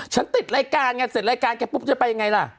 ติดรายการไงเสร็จรายการแกปุ๊บจะไปยังไงล่ะ